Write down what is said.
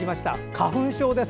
花粉症です。